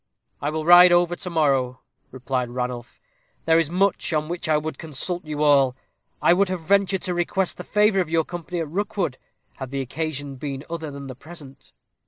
"I will ride over to morrow," replied Ranulph; "there is much on which I would consult you all. I would have ventured to request the favor of your company at Rookwood, had the occasion been other than the present."